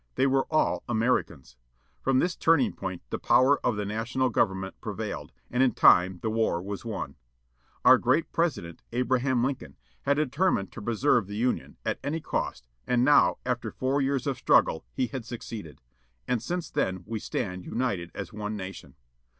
They were all Americans. From this turning point the power of the National Government prevailed. And in time the war was won. Our great President, Abraham Lincoln, had determined to preserve the Union, at any cost, and now, after foiir years of struggle, he had succeeded. And since then we stand united as one Nation.